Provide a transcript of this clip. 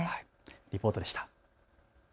リポートでした。